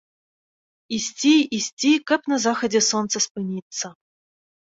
Ісці, ісці, каб на захадзе сонца спыніцца.